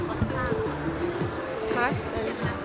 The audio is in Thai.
อเรนนี่แหละครับ